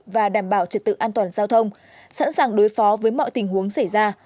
và đảm bảo trật tự an toàn giao thông sẵn sàng đối phó với mọi tình huống xảy ra